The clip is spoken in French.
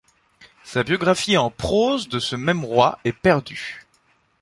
Sa biographie en prose de ce même roi est perdue.